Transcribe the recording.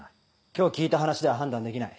今日聞いた話では判断できない。